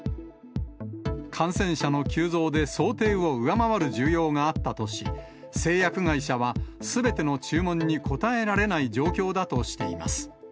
感染者の急増で想定を上回る需要があったとし、製薬会社は、すべての注文に応えられない状況だとしています。